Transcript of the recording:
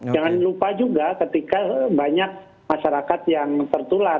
jangan lupa juga ketika banyak masyarakat yang tertular